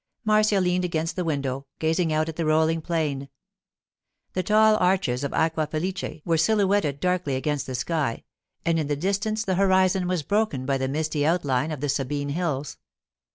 Marcia leaned against the window, gazing out at the rolling plain. The tall arches of Aqua Felice were silhouetted darkly against the sky, and in the distance the horizon was broken by the misty outline of the Sabine hills.